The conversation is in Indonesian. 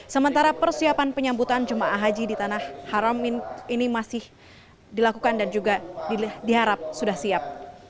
sementara persiapan penyambutan jemaah haji di tanah haram ini masih dilakukan dan juga diharap sudah siap